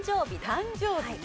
誕生日ね。